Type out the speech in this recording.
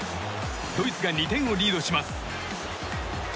ドイツが２点をリードします。